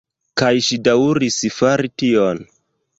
Kaj ŝi daŭris fari tion.